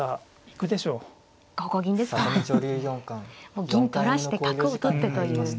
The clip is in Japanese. もう銀取らして角を取ってという。